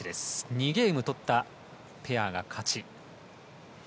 ２ゲーム取ったペアが勝ち。